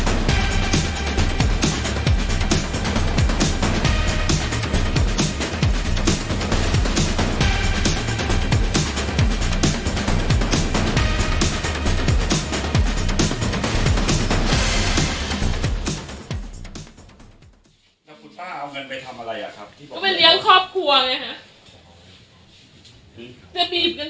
ก็ไปเลี้ยงครอบครัวไงฮะเดี๋ยวบีบกันทำไมน้ำหนา